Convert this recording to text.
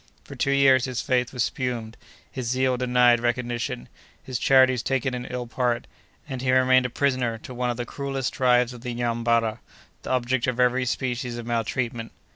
For two years his faith was spurned, his zeal denied recognition, his charities taken in ill part, and he remained a prisoner to one of the cruelest tribes of the Nyambarra, the object of every species of maltreatment.